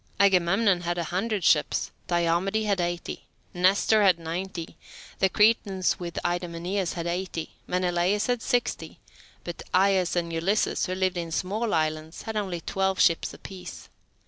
Agamemnon had a hundred ships, Diomede had eighty, Nestor had ninety, the Cretans with Idomeneus, had eighty, Menelaus had sixty; but Aias and Ulysses, who lived in small islands, had only twelve ships apiece.